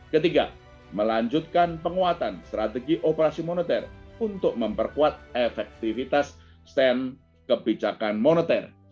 ketiga melanjutkan penguatan strategi operasi moneter untuk memperkuat efektivitas stand kebijakan moneter